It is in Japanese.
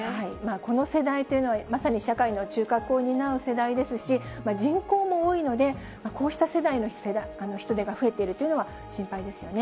この世代というのは、まさに社会の中核を担う世代ですし、人口も多いので、こうした世代の人出が増えているというのは心配ですよね。